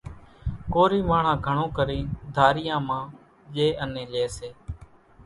ڪورِي ماڻۿان گھڻو ڪرينَ ڌاريان مان ڄيَ انين ليئيَ سي۔